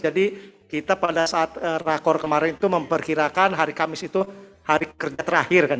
jadi kita pada saat rakor kemarin itu memperkirakan hari kamis itu hari kerja terakhir